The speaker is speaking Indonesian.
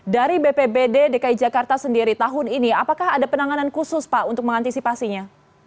dari bpbd dki jakarta sendiri tahun ini apakah ada penanganan khusus pak untuk mengantisipasinya